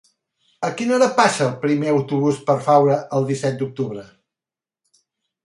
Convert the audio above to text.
A quina hora passa el primer autobús per Faura el disset d'octubre?